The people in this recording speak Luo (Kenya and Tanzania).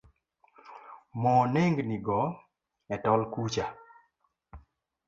Mo nengni go e tol kucha.